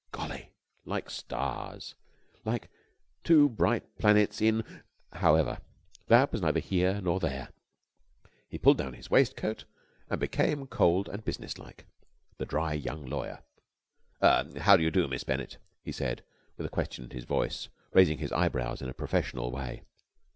Golly! Like stars! Like two bright planets in.... However, that was neither here nor there. He pulled down his waistcoat and became cold and business like the dry young lawyer. "Er how do you do, Miss Bennett?" he said with a question in his voice, raising his eyebrows in a professional way.